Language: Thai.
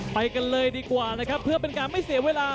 ไปกันเลยดีกว่านะครับเพื่อเป็นการไม่เสียเวลา